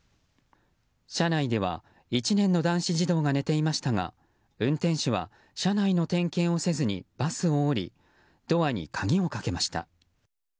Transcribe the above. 車内では１年の男子児童が寝ていましたが運転手は、車内の点検をせずにバスを降りドアに鍵をかけました。